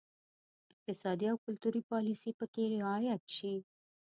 اقتصادي او کلتوري پالیسي پکې رعایت شي.